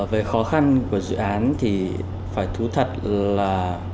về khó khăn của dự án thì phải thú thật là